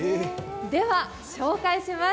では、紹介します。